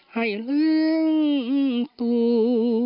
ให้ลืมตัว